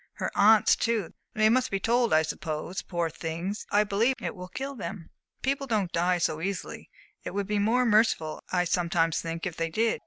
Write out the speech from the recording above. Her aunts too they must be told, I suppose. Poor things, I believe it will kill them!" "People don't die so easily. It would be more merciful, I sometimes think, if they did."